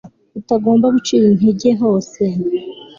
utagomba gucira intege hose